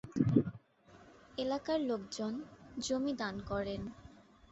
এলাকার লোকজন জমি দান করেন।